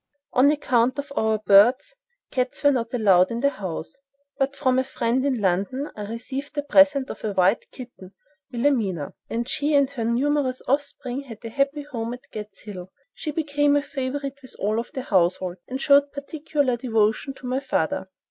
On account of our birds, cats were not allowed in the house; but from a friend in London I received a present of a white kitten—Williamina—and she and her numerous offspring had a happy home at "Gad's Hill." She became a favorite with all the household, and showed particular devotion to my father.